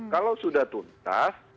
kalau sudah tuntas